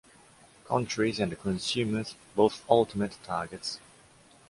Countries and consumers: both ultimate targets.